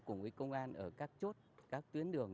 cùng với công an ở các chốt các tuyến đường